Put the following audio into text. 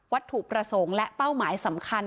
ถูกประสงค์และเป้าหมายสำคัญ